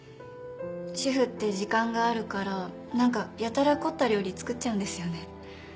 主婦って時間があるから何かやたら凝った料理作っちゃうんですよね。